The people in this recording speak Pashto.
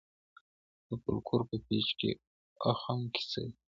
د فولکلور په پېچ او خم کي څه دي؟